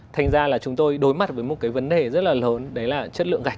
thành ra là chúng tôi đối mặt với một cái vấn đề rất là lớn đấy là chất lượng gạch